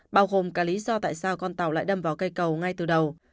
bao gồm cả lý do tại sao con tàu lại đâm vào cây cầu ngay từ đầu